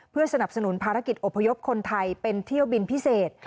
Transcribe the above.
เพื่อสนับสนุนภารกิจอบพยพคนไทยเป็นเที่ยวบินพิเศษ